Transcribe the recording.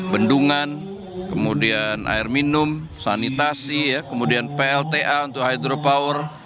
bendungan kemudian air minum sanitasi kemudian plta untuk hydropower